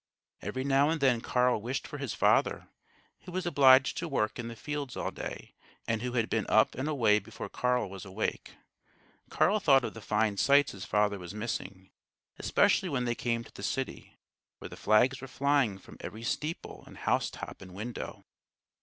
Every now and then Carl wished for his father, who was obliged to work in the fields all day, and who had been up and away before Carl was awake. Carl thought of the fine sights his father was missing, especially when they came to the city, where the flags were flying from every steeple and housetop and window.